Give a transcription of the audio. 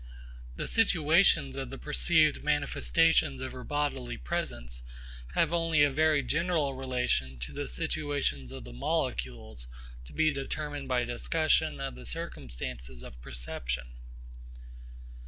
The situations of the perceived manifestations of her bodily presence have only a very general relation to the situations of the molecules, to be determined by discussion of the circumstances of perception.